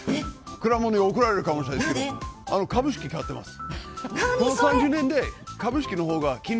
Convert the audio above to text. くらもんに怒られるかもしれないけど株式買ってます。